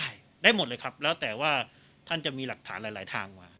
ได้ได้หมดเลยครับแล้วแต่ว่าท่านจะมีหลักฐานหลายทางมา